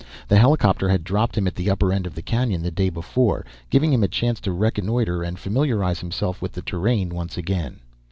The helicopter had dropped him at the upper end of the canyon the day before, giving him a chance to reconnoitre and familiarize himself with the terrain once again.